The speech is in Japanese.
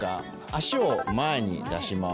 足を前に出します。